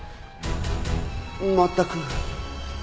全く。